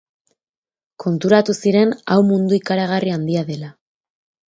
Konturatu ziren hau mundu ikaragarri handia dela.